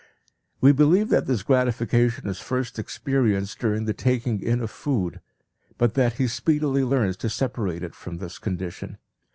We believe that this gratification is first experienced during the taking in of food, but that he speedily learns to separate it from this condition.